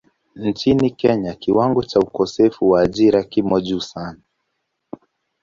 Nchini Kenya kiwango cha ukosefu wa ajira kimo juu sana.